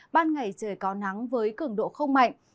ban ngày trời có nắng với cường độ không mạnh